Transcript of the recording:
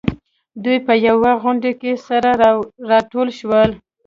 دوی په يوه غونډه کې سره راټول شول.